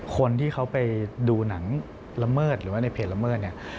คนที่เขาไปดูหนังละเมิดหรือว่าในเพจละเมิดเนี่ย